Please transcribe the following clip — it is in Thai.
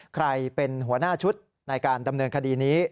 ใครเป็นหัวหน้าชุดในการดำเนินคดีนี้